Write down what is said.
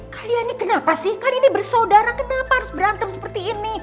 kalian ini kenapa sih kan ini bersaudara kenapa harus berantem seperti ini